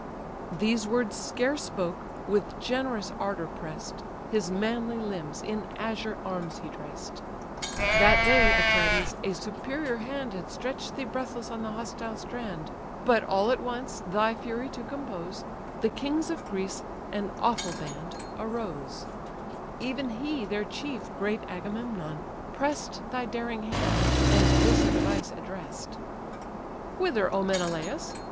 These words scarce spoke, with generous ardour press'd, His manly limbs in azure arms he dress'd. That day, Atrides! a superior hand Had stretch'd thee breathless on the hostile strand; But all at once, thy fury to compose, The kings of Greece, an awful band, arose; Even he their chief, great Agamemnon, press'd Thy daring hand, and this advice address'd: "Whither, O Menelaus!